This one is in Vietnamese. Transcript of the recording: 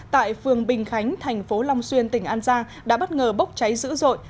tại phường bình khánh thành phố long xuyên tỉnh an giang đã bất ngờ bốc cháy dữ dội